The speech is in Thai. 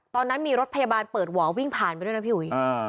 ตอนนั้นมีรถพยาบาลเปิดหวอวิ่งผ่านไปด้วยนะพี่อุ๋ย